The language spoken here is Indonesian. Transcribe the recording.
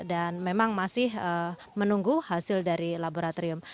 dan memang masih menunggu hasil dari laboratorium